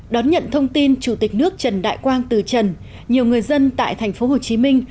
đón nhận thông tin chủ tịch nước trần đại quang từ trần nhiều người dân tại thành phố hồ chí minh